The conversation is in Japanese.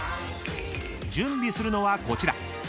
［準備するのはこちら］